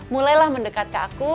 mulailah mendekat ke aku